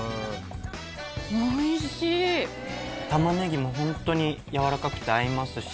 タマネギもホントに軟らかくて合いますし。